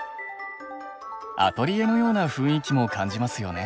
アトリエのような雰囲気も感じますよね。